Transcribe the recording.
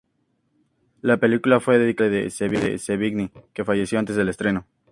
La película fue dedicada el padre de Sevigny, que falleció antes del estreno.